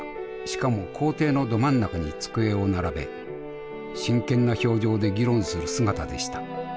しかも校庭のど真ん中に机を並べ真剣な表情で議論する姿でした。